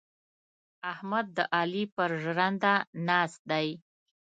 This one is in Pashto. احمد د علي پر ژرنده ناست دی.